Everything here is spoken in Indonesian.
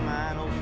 aku akan ikut